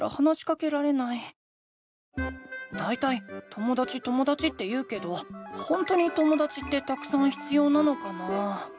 だいたいともだちともだちって言うけどほんとにともだちってたくさん必要なのかな？